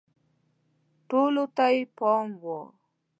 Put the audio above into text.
ټولو ته یې پام و